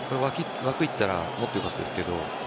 枠に行っていたらもっと良かったですけど。